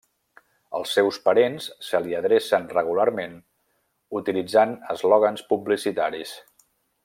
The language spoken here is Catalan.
Els seus parents se li adrecen regularment utilitzant eslògans publicitaris.